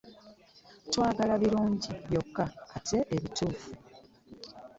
Twagala birungi byokka ate ebituufu.